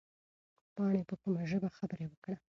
پاڼې په کومه ژبه خبره وکړه؟